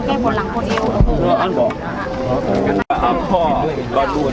อ่อต้มให้ผ่านหลังคนอีกอีกอันอันหรออ่าอ่าข้อกำข้อที่